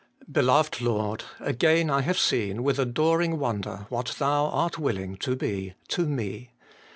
Beloved Lord ! again have I seen, with adoring wonder, what Thou art willing to be to me.